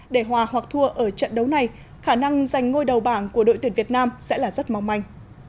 để hòa hoặc thua ở trận đấu này khả năng giành ngôi đầu bảng của đội tuyển việt nam sẽ là rất mong manh